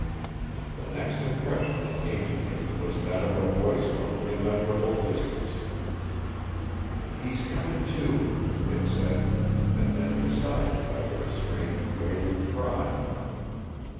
The next impression that came to me was that of a voice from an immeasurable distance. "He's coming to," it said; and then beside it I heard a strange wailing cry.